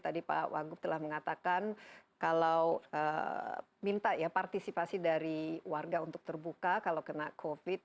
tadi pak wagub telah mengatakan kalau minta ya partisipasi dari warga untuk terbuka kalau kena covid